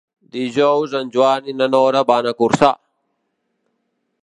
Dijous en Joan i na Nora van a Corçà.